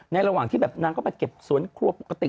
ระหว่างที่แบบนางก็ไปเก็บสวนครัวปกติ